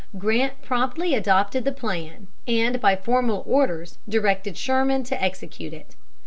Grant promptly adopted the plan, and by formal orders directed Sherman to execute it.